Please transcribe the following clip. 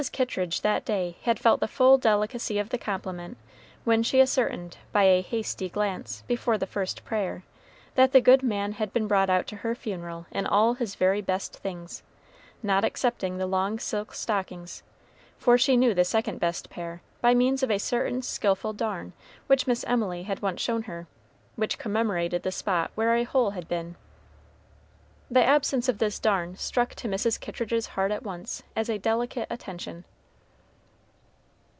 Kittridge that day had felt the full delicacy of the compliment when she ascertained by a hasty glance, before the first prayer, that the good man had been brought out to her funeral in all his very best things, not excepting the long silk stockings, for she knew the second best pair by means of a certain skillful darn which Miss Emily had once shown her, which commemorated the spot where a hole had been. The absence of this darn struck to Mrs. Kittridge's heart at once as a delicate attention.